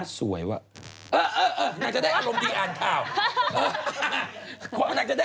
ปล่อยวางหน่อย